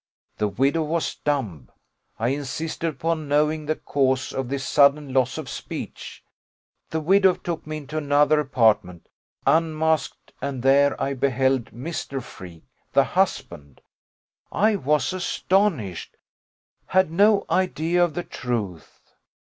The widow was dumb. I insisted upon knowing the cause of this sudden loss of speech. The widow took me into another apartment, unmasked, and there I beheld Mr. Freke, the husband. I was astonished had no idea of the truth.